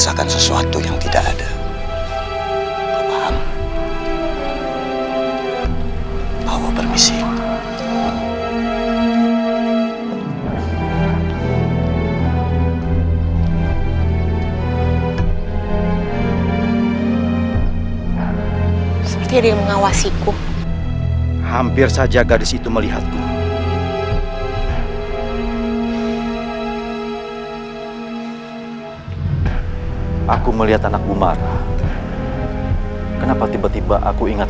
harimau yang dikatakannya itu benar benar ada